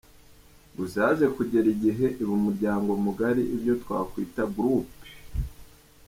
Gusa yaje kugera igihe iba umuryango mugari ibyo twakwita “Groupe”.